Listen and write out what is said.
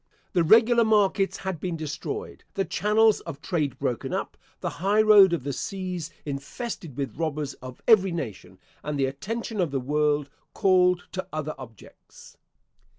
The regular markets had been destroyed, the channels of trade broken up, the high road of the seas infested with robbers of every nation, and the attention of the world called to other objects.